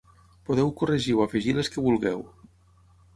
Podeu corregir o afegir les que vulgueu.